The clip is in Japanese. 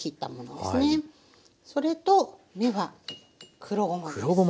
それと目は黒ごまです。